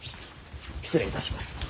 失礼いたします。